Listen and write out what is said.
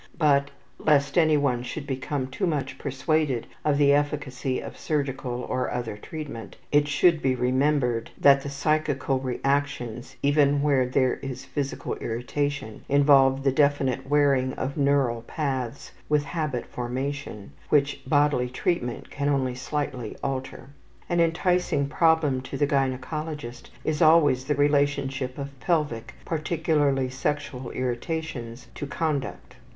But, lest anyone should become too much persuaded of the efficacy of surgical or other treatment, it should be remembered that the psychical reactions, even where there is physical irritation, involve the definite wearing of neural paths, with habit formations, which bodily treatment can only slightly alter. An enticing problem to the gynecologist is always the relationship of pelvic, particularly sexual irritations, to conduct.